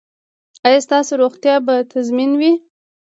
ایا ستاسو روغتیا به تضمین وي؟